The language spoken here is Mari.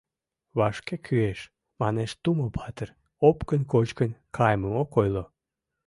— Вашке кӱэш, манеш Тумо-патыр, Опкын кочкын каймым ок ойло.